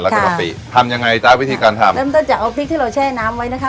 แล้วก็กะปิทำยังไงจ๊ะวิธีการทำเริ่มต้นจากเอาพริกที่เราแช่น้ำไว้นะคะ